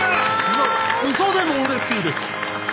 嘘でもうれしいです。